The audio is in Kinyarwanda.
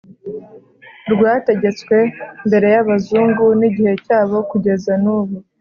rwategetswe mbere y'abazungu n'igihe cyabo kugeza nubu